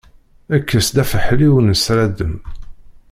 Kkes-d afeḥli ur nesraddem.